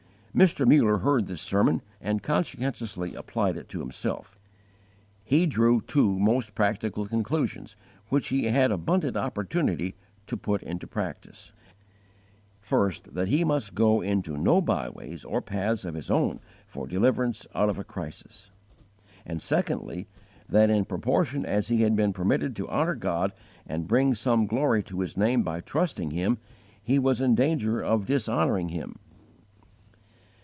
Mr. Muller heard this sermon and conscientiously applied it to himself. He drew two most practical conclusions which he had abundant opportunity to put into practice: First, that he must go into no byways or paths of his own for deliverance out of a crisis; And, secondly, that in proportion as he had been permitted to honour God and bring some glory to His name by trusting Him, he was in danger of dishonouring Him.